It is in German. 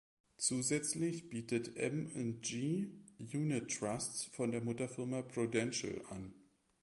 Zusätzlich bietet M&G Unit-Trusts von der Mutterfirma Prudential an.